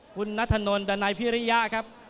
คุณนัทธนลดันัยพิริยะครับ